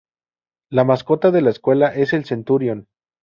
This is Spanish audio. La mascota de la escuela es el Centurion.